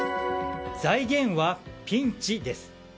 財源はピンチ？です。